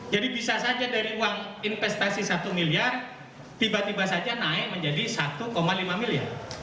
jadi bisa saja dari uang investasi satu miliar tiba tiba saja naik menjadi satu lima miliar